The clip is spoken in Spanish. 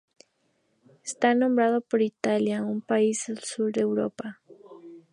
Está nombrado por Italia, un país del sur de Europa.